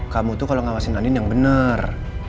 kamu tuh kalo ngawasin andin yang bener